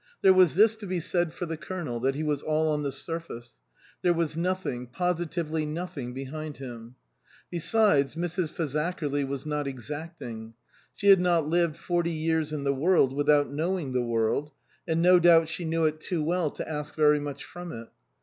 There was this to be said for the Colonel, that he was all on the surface ; there was nothing, positively nothing, behind him. Besides, Mrs. Fazakerly was not exacting. She had not lived forty years in the world without knowing the world, and no doubt she knew it too well to ask very much from it.